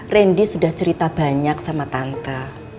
randy sudah cerita banyak sama tante